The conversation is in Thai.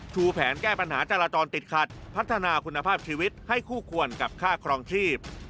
แผนแก้ปัญหาจราจรติดขัดพัฒนาคุณภาพชีวิตให้คู่ควรกับค่าครองชีพ